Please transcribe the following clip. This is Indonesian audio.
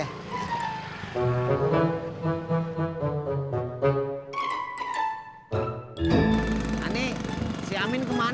nah ini si amin kemana ya